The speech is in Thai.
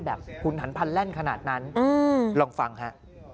หุ่นหันพันแล่นขนาดนั้นลองฟังฮะ